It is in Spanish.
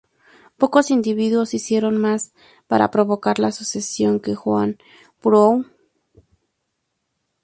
Pocos individuos hicieron más para provocar la secesión que John Brown.